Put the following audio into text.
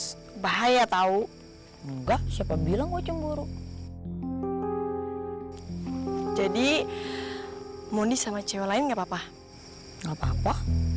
hai bahaya tahu enggak siapa bilang kemburu jadi moni sama cewek lain gapapa gapapa